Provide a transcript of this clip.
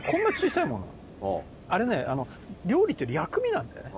あれね料理っていうより薬味なんだよね。